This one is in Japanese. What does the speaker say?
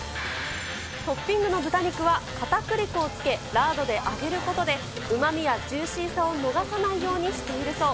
トッピングの豚肉は、かたくり粉をつけ、ラードで揚げることで、うまみやジューシーさを逃さないようにしているそう。